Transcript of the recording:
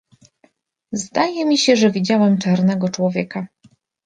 "Zdaje mi się, że widziałem czarnego człowieka."